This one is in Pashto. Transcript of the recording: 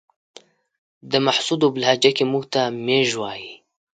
د محسودو په لهجه کې موږ ته ميژ وايې.